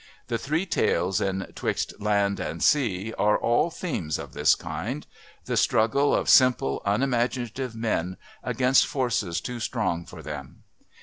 The three tales in 'Twixt Land and Sea are all themes of this kind the struggle of simple, unimaginative men against forces too strong for them.